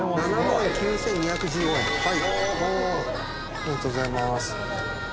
ありがとうございます。